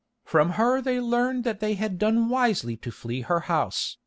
From her they learned that they had done wisely to flee her house.